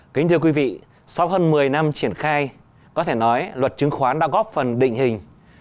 kính thưa quý vị sau hơn một mươi năm triển khai có thể nói luật chứng khoán đã góp phần định hình